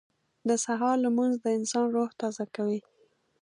• د سهار لمونځ د انسان روح تازه کوي.